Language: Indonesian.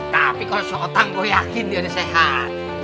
tapi kalau sokotan gue yakin dia udah sehat